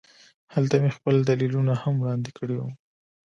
هلته مې خپل دلیلونه هم وړاندې کړي وو